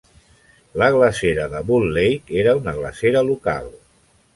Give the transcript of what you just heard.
La glacera de Bull Lake era una glacera local.